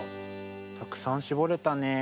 たくさんしぼれたね。